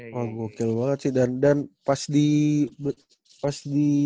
wah gokil banget sih dan pas di